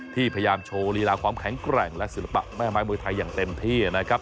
พยายามโชว์ลีลาความแข็งแกร่งและศิลปะแม่ไม้มวยไทยอย่างเต็มที่นะครับ